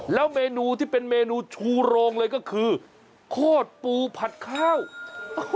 แล้วเมนูที่เป็นเมนูชูโรงเลยก็คือโคตรปูผัดข้าวโอ้โห